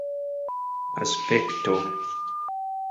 aspekto